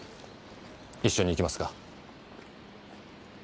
一緒に行きますか？